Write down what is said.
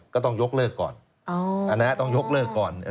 ก็ต้องยกเลิกก่อน